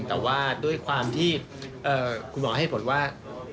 แต่ว่าด้วยความที่คุณหมอให้ผลว่า